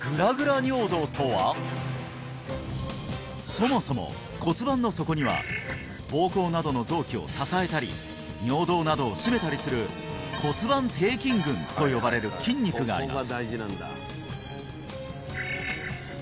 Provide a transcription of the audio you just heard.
そもそも骨盤の底には膀胱などの臓器を支えたり尿道などを締めたりする骨盤底筋群と呼ばれる筋肉があります